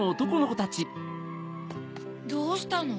どうしたの？